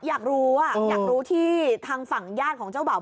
อยากรู้อ่ะอยากรู้ที่ทางฝั่งญาติของเจ้าบ่าว